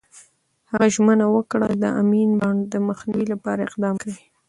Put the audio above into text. هغه ژمنه وکړه، د امین بانډ د مخنیوي لپاره اقدام کوي.